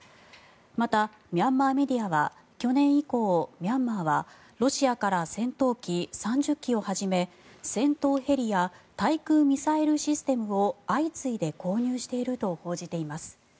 また、ミャンマーメディアは去年以降ミャンマーはロシアから戦闘機３０機をはじめ戦闘ヘリや対空ミサイルシステムを相次いで購入していると報じています。